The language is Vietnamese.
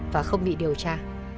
và không bị điều tra